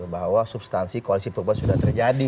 bahwa substansi koalisi perubahan sudah terjadi